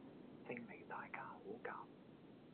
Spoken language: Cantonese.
證明大家好夾